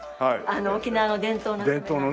沖縄の伝統の。